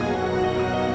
gak usah lo nyesel